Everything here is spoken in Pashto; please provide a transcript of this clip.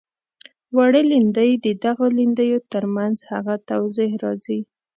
وړې لیندۍ د دغو لیندیو تر منځ هغه توضیح راځي.